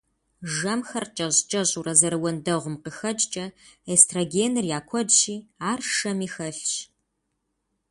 Жэмхэр кӀэщӀ-кӀэщӀурэ зэрыуэндэгъум къыхэкӀкӀэ, эстрогеныр я куэдщи, ар шэми хэлъщ.